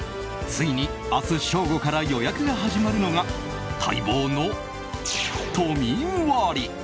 ついに明日正午から予約が始まるのが待望の都民割。